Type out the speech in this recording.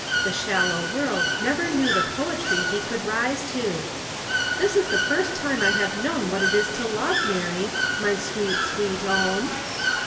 The shallow world never knew the poetry he could rise to. 'This is the first time I have known what it is to love, Mary, my sweet, my own.'